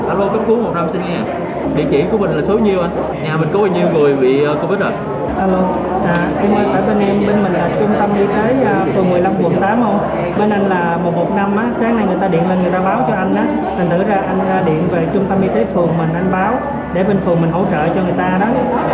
người ta điện lên người ta báo cho anh thành tựu ra anh ra điện về trung tâm y tế phường mình anh báo để bên phường mình hỗ trợ cho người ta